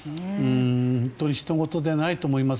本当にひとごとじゃないと思います。